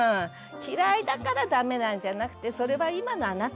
嫌いだからダメなんじゃなくてそれは今のあなただよねって。